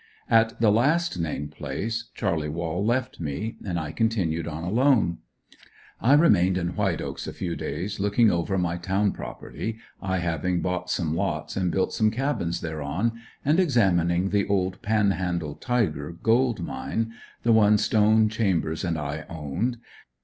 At the last named place Charlie Wall left me, and I continued on alone. I remained in White Oaks a few days, looking over my town property, I having bought some lots and built cabins thereon, and examining the 'Old Panhandle Tiger' gold mine, the one Stone, Chambers and I owned.